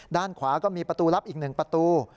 ด้านขวาก็มีประตูลับอีก๑ประตู